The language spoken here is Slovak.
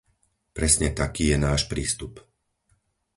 Presne taký je náš prístup.